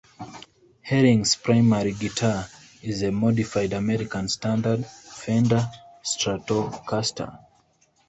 Herring's primary guitar is a modified American Standard Fender Stratocaster.